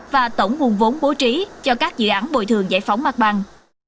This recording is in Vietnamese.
và tổng nguồn vốn bố trí cho các dự án bồi thường giải phóng mặt bằng